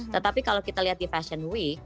tetapi kalau kita lihat di fashion week